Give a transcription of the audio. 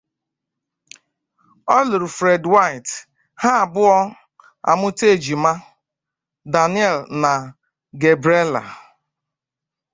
Ọ lụrụ Fred White ha abụọ amuta ejima: Daniel na Gabrielle.